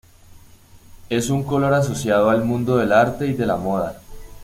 Es un color asociado al mundo del arte y de la moda.